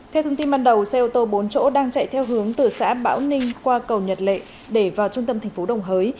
theo thông tin ban đầu xe ô tô bốn chỗ đang chạy theo hướng từ xã bảo ninh qua cầu nhật lệ để vào trung tâm tp đồng hới